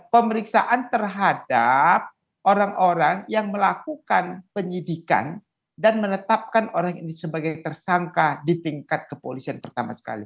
pemeriksaan terhadap orang orang yang melakukan penyidikan dan menetapkan orang ini sebagai tersangka di tingkat kepolisian pertama sekali